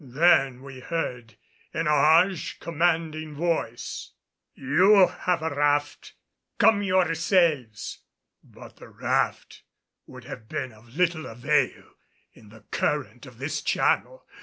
Then we heard in a harsh, commanding voice, "You have a raft. Come yourselves!" But the raft would have been of little avail in the current of this channel.